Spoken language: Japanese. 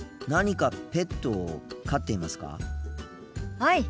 はい。